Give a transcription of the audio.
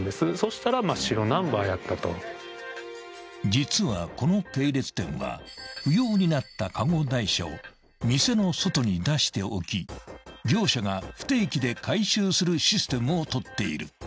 ［実はこの系列店は不要になったカゴ台車を店の外に出しておき業者が不定期で回収するシステムをとっている］